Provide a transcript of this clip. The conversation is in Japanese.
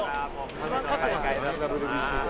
「一番勝ってますからねＷＢＣで」